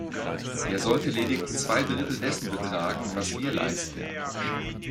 Er sollte lediglich zwei Drittel dessen betragen, was wir leisten.